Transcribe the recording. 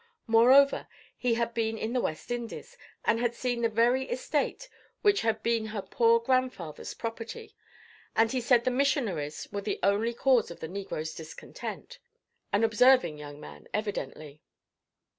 Moreover, he had been in the West Indies, and had seen the very estate which had been her poor grandfather's property; and he said the missionaries were the only cause of the negro's discontent—an observing young man, evidently.